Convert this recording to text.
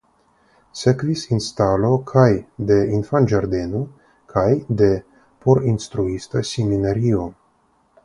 Sekvis instalo kaj de infanĝardeno kaj de porinstruista seminario.